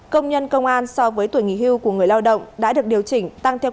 công nhân công an so với tuổi nghỉ hưu của người lao động đã được điều chỉnh tăng theo